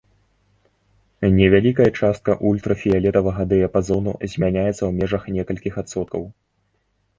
Невялікая частка ультрафіялетавага дыяпазону змяняецца ў межах некалькіх адсоткаў.